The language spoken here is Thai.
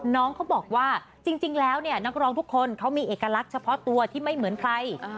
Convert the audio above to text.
น้องเขาบอกว่าจริงแล้วเนี่ยนักร้องทุกคนเขามีเอกลักษณ์เฉพาะตัวที่ไม่เหมือนใคร